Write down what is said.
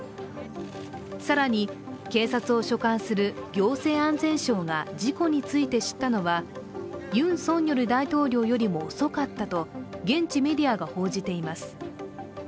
更に警察を所管する行政安全相が事故について知ったのは、ユン・ソンニョル大統領よりも遅かったと現地メディアが報じています。